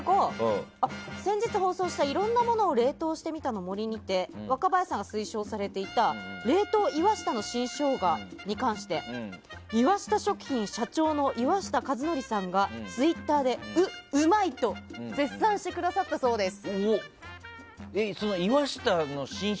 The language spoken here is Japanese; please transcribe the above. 先日放送した、いろんなものを冷凍してみたの森で若林さんが推奨されていた冷凍岩下の新生姜に関して岩下食品社長の岩下和了さんがツイッターで「う、旨い」と絶賛してくれたそうです。